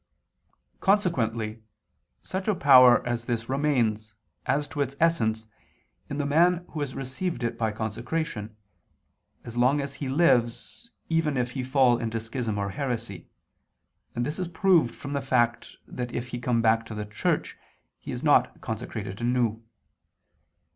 Consequently such a power as this remains, as to its essence, in the man who has received it by consecration, as long as he lives, even if he fall into schism or heresy: and this is proved from the fact that if he come back to the Church, he is not consecrated anew.